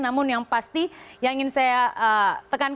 namun yang pasti yang ingin saya tekankan